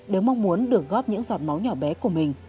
đều mong muốn được góp những giọt máu nhỏ bé của mình